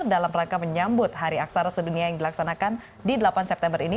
dalam rangka menyambut hari aksara sedunia yang dilaksanakan di delapan september ini